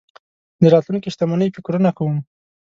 د راتلونکې شتمنۍ فکرونه کوم.